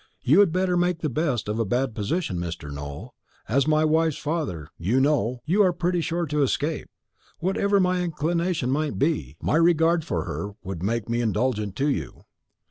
You had better make the best of a bad position, Mr. Nowell. As my wife's father, you know, you are pretty sure to escape. Whatever my inclination might be, my regard for her would make me indulgent to you.